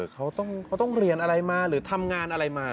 เขาต้องเรียนอะไรมาหรือทำงานอะไรมา